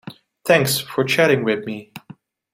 Thanks for chatting with me.